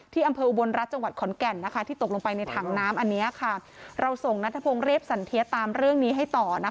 อำเภออุบลรัฐจังหวัดขอนแก่นที่ตกลงไปในถังน้ำอันนี้ค่ะเราส่งนัทพงศ์เรียบสันเทียตามเรื่องนี้ให้ต่อ